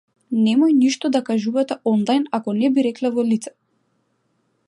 Немој ништо да кажувате онлајн ако не би рекле во лице.